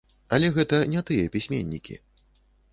Але гэта не тыя пісьменнікі.